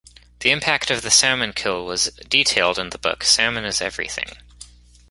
The impact of the salmon kill was detailed in the book "Salmon is Everything".